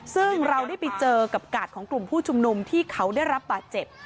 ซึ่งเราได้ไปเจอกับกาดของกลุ่มผู้ชุมนุมที่เขาได้รับบาดเจ็บ